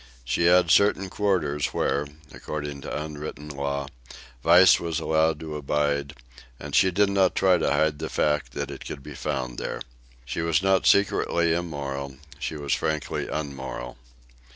She had certain quarters where, according to unwritten law, vice was allowed to abide, and she did not try to hide the fact that it could be found there. She was not secretly immoral; she was frankly unmoral.